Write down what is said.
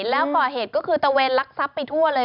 แล้วก่อเหตุก็คือเลวรักษัพรไปทั่วเลย